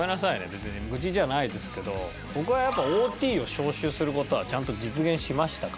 別に愚痴じゃないですけど僕はやっぱＯＴを招集する事はちゃんと実現しましたから。